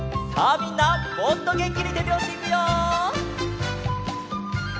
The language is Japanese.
みんなもっとげんきにてびょうしいくよ！